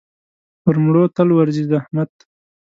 پر مړو تل ورځي زحمت.